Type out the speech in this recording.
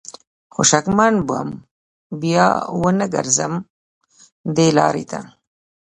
خو شکمن وم بیا به ونه ګرځم دې لار ته